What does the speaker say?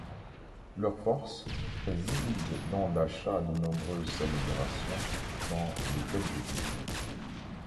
Leur force réside dans l'achat de nombreuses améliorations dans l'hôtel de ville.